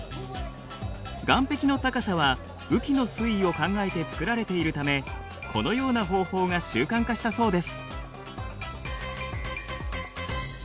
岸壁の高さは雨季の水位を考えて作られているためこのような方法が習慣化したそうです。